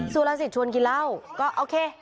สุรสิทธิชวนกินเหล้าก็โอเค